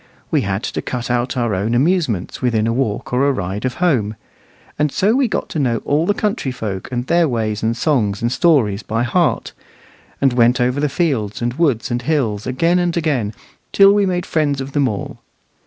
We had to cut out our own amusements within a walk or a ride of home. And so we got to know all the country folk and their ways and songs and stories by heart, and went over the fields and woods and hills, again and again, till we made friends of them all.